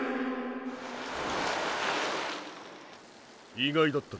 意外だったな。